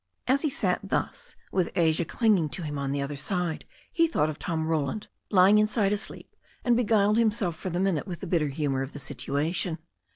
As he sat thus, with Asia clinging to him on the other side, he thought of Tom Roland, lying inside asleep, and beguiled himself for the minute with the bitter humour of the situation.